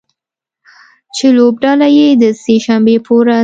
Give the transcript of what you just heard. چې لوبډله یې د سې شنبې په ورځ